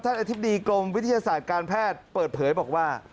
อธิบดีกรมวิทยาศาสตร์การแพทย์เปิดเผยบอกว่า